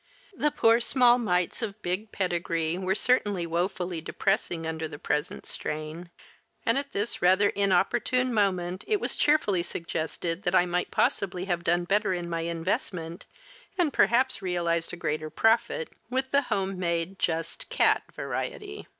The poor small mites of big pedigree were certainly woefully depressing under the present strain, and at this rather inopportune moment it was cheerfully suggested that I might possibly have done better in my investment, and perhaps realized a greater profit, with the homemade "just cat" variety.